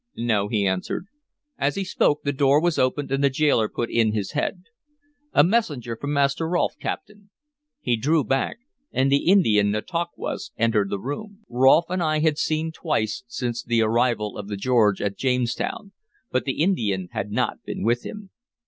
"No," he answered. As he spoke, the door was opened and the gaoler put in his head. "A messenger from Master Rolfe, captain." He drew back, and the Indian Nantauquas entered the room. Rolfe I had seen twice since the arrival of the George at Jamestown, but the Indian had not been with him.